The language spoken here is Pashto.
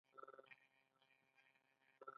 کوږ ملګری وفا نه لري